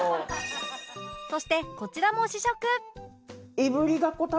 そしてこちらも試食